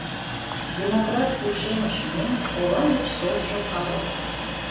Демократ ушемыш — ме, ола гыч толшо калык.